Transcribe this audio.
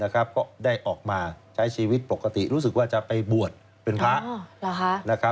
ก็ได้ออกมาใช้ชีวิตปกติรู้สึกว่าจะไปบวชเป็นพระ